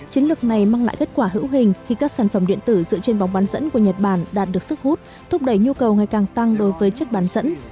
chiến lược này mang lại kết quả hữu hình khi các sản phẩm điện tử dựa trên bóng bán dẫn của nhật bản đạt được sức hút thúc đẩy nhu cầu ngày càng tăng đối với chất bán dẫn